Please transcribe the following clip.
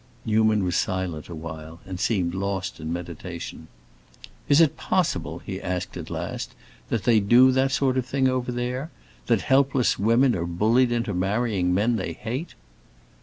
Newman was silent a while, and seemed lost in meditation. "Is it possible," he asked at last, "that they do that sort of thing over here? that helpless women are bullied into marrying men they hate?"